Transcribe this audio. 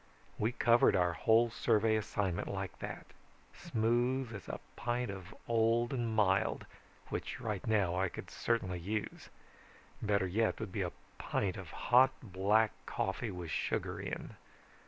We covered our whole survey assignment like that, smooth as a pint of old and mild which right now I could certainly use. Better yet would be a pint of hot black coffee with sugar in.